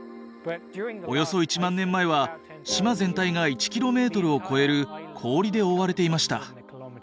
およそ１万年前は島全体が１キロメートルを超える氷で覆われていました。